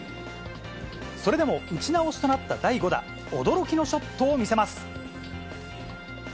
それでも打ち直しとなった第５打、驚きのショットを見せます。